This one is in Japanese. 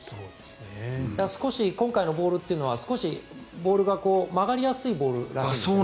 少し今回のボールというのは少しボールが曲がりやすいボールらしいんですね。